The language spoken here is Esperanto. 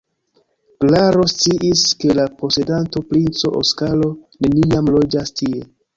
Klaro sciis, ke la posedanto, princo Oskaro, neniam loĝas tie.